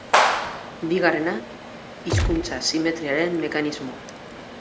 Bigarrena, hizkuntza simetriaren mekanismoa.